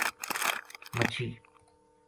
مچھی